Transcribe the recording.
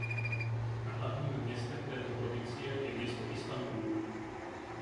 Hlavním městem této provincie je město Istanbul.